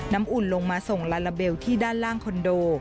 อุ่นลงมาส่งลาลาเบลที่ด้านล่างคอนโด